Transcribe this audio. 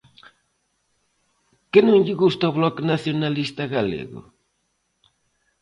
¿Que non lle gusta ao Bloque Nacionalista Galego?